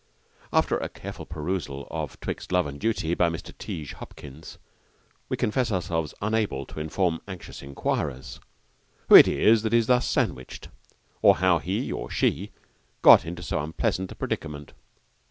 After a careful perusal of 'Twixt Love and Duty, by Mr. Tighe Hopkins, we confess ourselves unable to inform anxious inquirers who it is that is thus sandwiched, and how he (or she) got into so unpleasant a predicament.